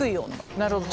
なるほど。